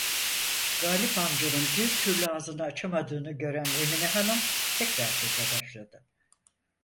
Galip amcanın bir türlü ağzını açamadığını gören Emine hanım tekrar söze başladı: